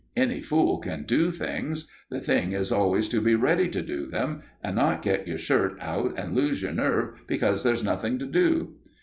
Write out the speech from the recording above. Any fool can do things; the thing is always to be ready to do them, and not get your shirt out and lose your nerve because there's nothing to do."